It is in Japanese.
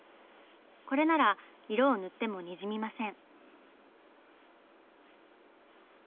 これなら色を塗ってもにじみません。